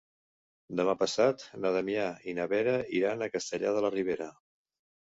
Demà passat na Damià i na Vera iran a Castellar de la Ribera.